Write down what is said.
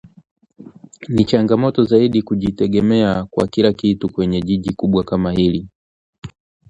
Ni changamoto zaidi kujitegemea kwa kila kitu kwenye jiji kubwa kama hili